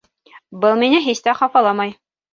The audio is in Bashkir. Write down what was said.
Был мине һис тә хафаламай.